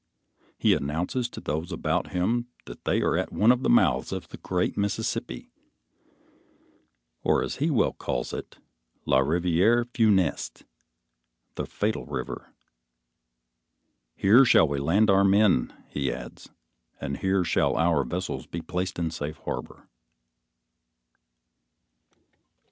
He announces to those about him that they are at one of the mouths of the great Mississippi, or, as he well calls it "La riviére fu neste," the fatal river. "Here shall we land all our men," he adds, "and here shall our vessels be placed in safe harbor."